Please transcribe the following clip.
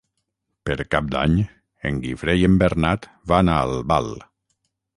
Per Cap d'Any en Guifré i en Bernat van a Albal.